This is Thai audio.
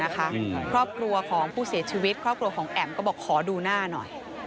ครอบครัวของผู้เสียชีวิตครอบครัวของแอ๋มก็บอกขอดูหน้าหน่อย